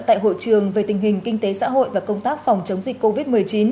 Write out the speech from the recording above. tại hội trường về tình hình kinh tế xã hội và công tác phòng chống dịch covid một mươi chín